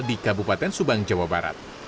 di kabupaten subang jawa barat